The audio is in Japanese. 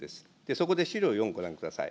そこで資料４ご覧ください。